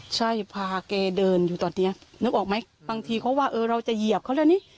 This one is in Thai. ใช่พาแกเดินอยู่ตอนนี้นึกออกไหมบางทีเขาว่าเออเราจะเหยียบเขาแล้วนี่